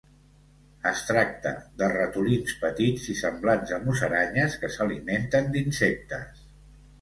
Es tracta de ratolins petits i semblants a musaranyes que s'alimenten d'insectes.